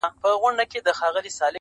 ډېر مي د اورنګ او خوشحال خان!!